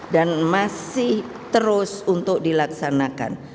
dan masih terus untuk dilaksanakan